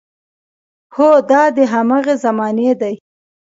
هو، دا د هماغې زمانې دی.